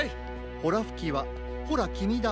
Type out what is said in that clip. ほらふきはほらきみだ！